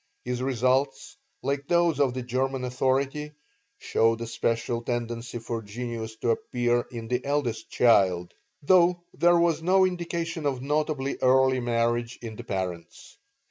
His results, like those of the German authority, showed a special tendency for genius to appear in the eldest child, though there was no indication of notably early marriage in the parents.